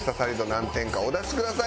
何点かお出しください。